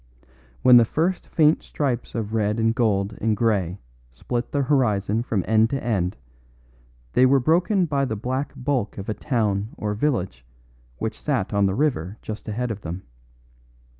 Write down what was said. When the first faint stripes of red and gold and grey split the horizon from end to end they were broken by the black bulk of a town or village which sat on the river just ahead of them.